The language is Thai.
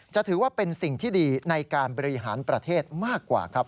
จะถือว่าเป็นสิ่งที่ดีในการบริหารประเทศมากกว่าครับ